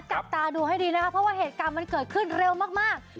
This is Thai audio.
จับตาดูให้ดีนะคะเพราะว่าเหตุการณ์มันเกิดขึ้นเร็วมาก